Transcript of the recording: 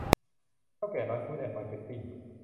เถ้าแก่น้อย ฟู๊ดแอนด์มาร์เก็ตติ้ง